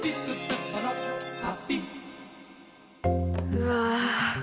うわ。